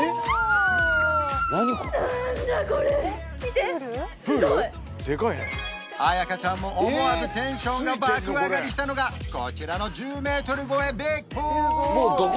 見てすごいあやかちゃんも思わずテンションが爆上がりしたのがこちらの１０メートル超えビッグプール！